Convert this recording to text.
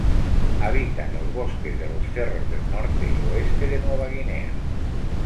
Habita en los bosques de los cerros del norte y oeste de Nueva Guinea.